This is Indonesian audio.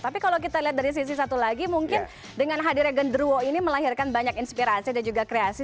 tapi kalau kita lihat dari sisi satu lagi mungkin dengan hadirnya genderuo ini melahirkan banyak inspirasi dan juga kreasi